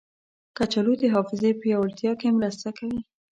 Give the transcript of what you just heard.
کچالو د حافظې پیاوړتیا کې مرسته کوي.